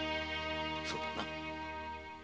そうだな。